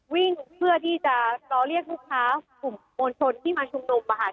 วิ่งเพื่อที่จะสอเรียกลูกค้าส่งผลชนที่มาชุมรมบาท